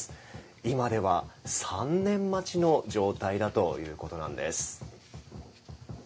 今では、３年待ちの状態だということなんです。